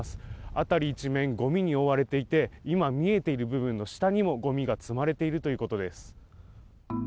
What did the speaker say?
辺り一面ごみに覆われていて今見えている部分の下にもごみが積まれているということです。